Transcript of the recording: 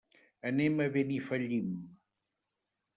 Anem a Benifallim.